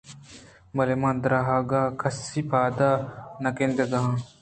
بلے من درآہگ ءِکسّی پداں نہ گِندگاہاں